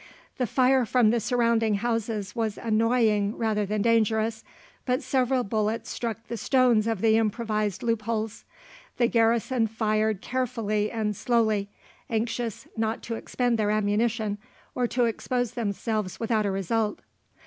The fire from the surrounding houses was annoying rather than dangerous, but several bullets struck the stones of the improvised loopholes. The garrison fired carefully and slowly, anxious not to expend their ammunition, or to expose themselves without a result.